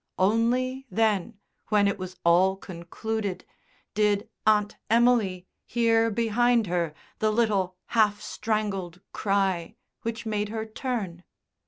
Only then, when it was all concluded, did Aunt Emily hear behind her the little half strangled cry which made her turn.